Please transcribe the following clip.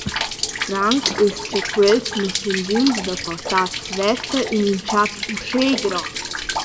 Franc es cha quels nu sun buns da portar svessa ün incharg uschè grond.